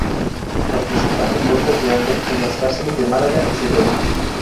Participa en huelgas de hambre en las cárceles de Málaga y Segovia.